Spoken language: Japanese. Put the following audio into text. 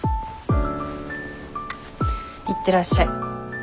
いってらっしゃい。